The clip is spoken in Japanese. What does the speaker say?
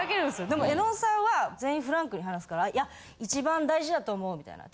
でも絵音さんは全員フランクに話すからいや一番大事だと思うみたいな。